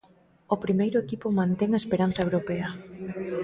O primeiro equipo mantén a esperanza europea.